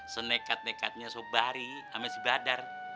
senekat nekatnya sobari sama si badar